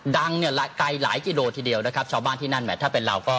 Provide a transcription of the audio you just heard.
ดังเนี่ยไกลหลายกิโลทีเดียวนะครับชาวบ้านที่นั่นแหมถ้าเป็นเราก็